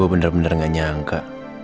aku bener bener gak nyangka